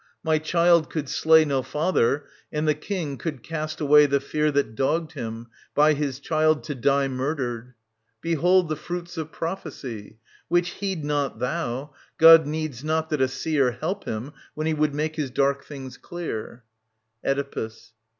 My child could slay No father, and the King could cast away The fear that dogged him, by his child to die Murdered. — Behold the fruits of prophecy ! Which heed not thou ! God needs not that a seer Help him, when he would make his dark things clear. Oedipus.